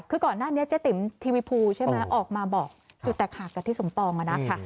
คือก่อนหน้านี้เจ๊ติ๋มทีวีภูใช่ไหมออกมาบอกจุดแตกหักกับทิศสมปองอ่ะนะคะ